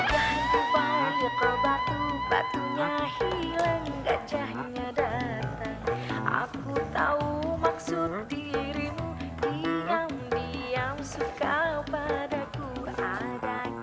diam diam suka padaku